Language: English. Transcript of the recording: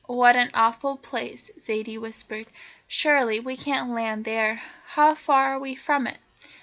"What an awful place," Zaidie whispered. "Surely we can't land there. How far are we from it?"